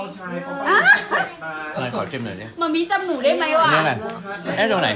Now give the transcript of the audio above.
มันให้คนป่วยกินก่อนนะ